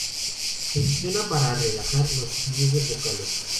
Funciona para relajar los pliegues vocales.